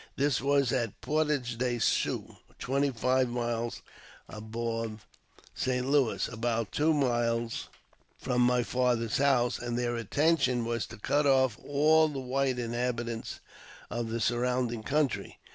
This was at Portage de Soix, twenty five miles above St. Louis, and about two miles from my father's house ; and their intention was to cut off all the white inhabitants of the surrounding country.